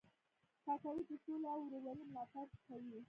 کاکړي د سولې او ورورولۍ ملاتړ کوي.